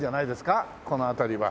この辺りは。